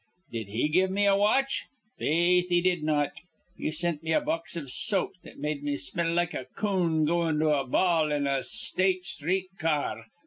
Did he give me a watch? Faith, he did not. He sint me a box iv soap that made me smell like a coon goin' to a ball in a State Sthreet ca ar.